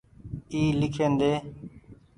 اي ليکين ۮي۔